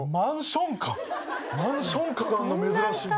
マンション歌があるんだ珍しいな。